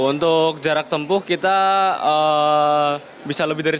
untuk jarak tempuh kita bisa lebih dari seratus km